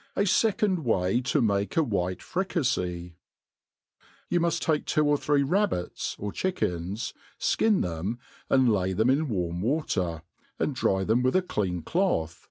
« A fecond Way to make a fVhite Fricafey^ YOU moft take two or three rabbits, or chickens, Ikiit them, and lay them in warm water, and dry them with a clean cloth.